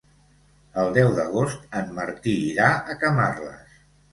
El deu d'agost en Martí irà a Camarles.